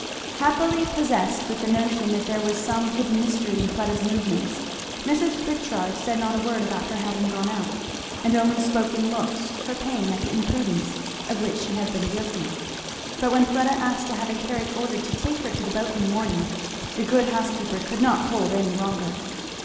Happily possessed with the notion that there was some hidden mystery in Fleda's movements, Mrs. Pritchard said not a word about her having gone out, and only spoke in looks her pain at the imprudence of which she had been guilty. But when Fleda asked to have a carriage ordered to take her to the boat in the morning, the good housekeeper could not hold any longer.